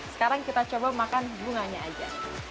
sekarang kita coba makan bunganya aja